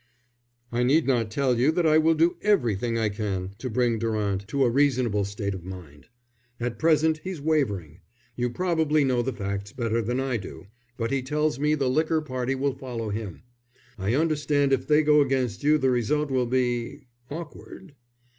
"I need not tell you that I will do everything I can to bring Durant to a reasonable state of mind. At present he's wavering. You probably know the facts better than I do, but he tells me the liquor party will follow him. I understand if they go against you the result will be awkward."